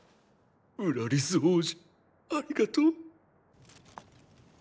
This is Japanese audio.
ウラリス王子ありがとう。